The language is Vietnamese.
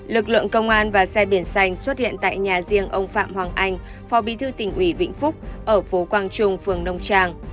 lực lượng công an và xe biển xanh xuất hiện tại nhà riêng ông phạm hoàng anh phó bí thư tỉnh ủy vĩnh phúc ở phố quang trung phường nông trang